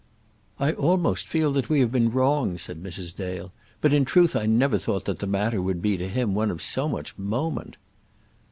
"I almost feel that we have been wrong," said Mrs. Dale; "but in truth I never thought that the matter would be to him one of so much moment."